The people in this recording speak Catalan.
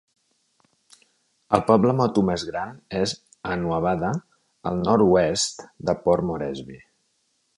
El poble Motu més gran és Hanuabada, al nord-oest de Port Moresby.